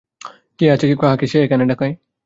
কে আছে, কাহাকে সে এখন ডাকে?